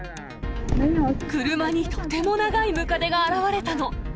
車にとても長いムカデが現れたの。